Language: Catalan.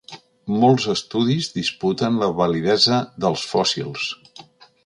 Molts estudis disputen la validesa dels fòssils.